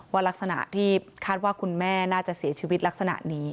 ลักษณะที่คาดว่าคุณแม่น่าจะเสียชีวิตลักษณะนี้